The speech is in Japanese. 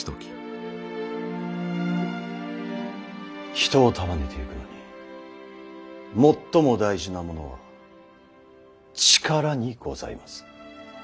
人を束ねてゆくのに最も大事なものは力にございます。